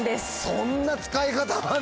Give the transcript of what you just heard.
そんな使い方まで。